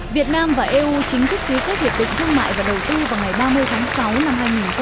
việt nam và eu chính thức ký kết hiệp định thương mại và đầu tư vào ngày ba mươi tháng sáu năm hai nghìn một mươi chín